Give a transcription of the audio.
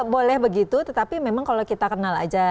boleh begitu tetapi memang kalau kita kenal aja